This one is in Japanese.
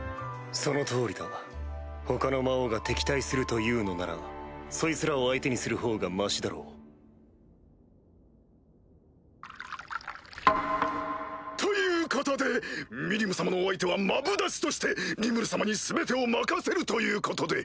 その通りだ他の魔王が敵対するというのならそいつらを相手にするほうがマシだろう。ということでミリム様のお相手はマブダチとしてリムル様に全てを任せるということで！